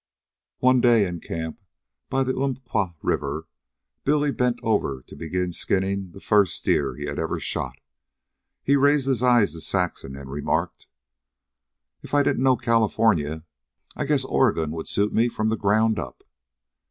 One day, in camp by the Umpqua River, Billy bent over to begin skinning the first deer he had ever shot. He raised his eyes to Saxon and remarked: "If I didn't know California, I guess Oregon'd suit me from the ground up."